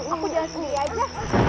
aku jalan sendiri aja